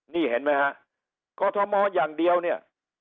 นี่เห็นมั้ยครับกฏรมอลอย่างเดียวเนี่ย